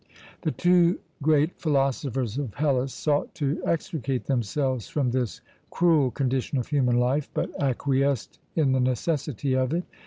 The two great philosophers of Hellas sought to extricate themselves from this cruel condition of human life, but acquiesced in the necessity of it.